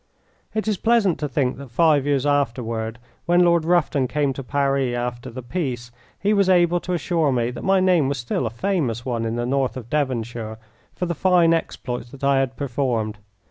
It is pleasant to think that five years afterward, when Lord Rufton came to Paris after the peace, he was able to assure me that my name was still a famous one in the north of Devonshire for the fine exploits that I had performed.